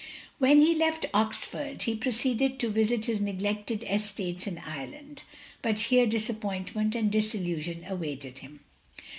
When he left Oxford, he proceeded to visit his neglected estates ia Ireland; but here dis appointment and disillusion awaited him.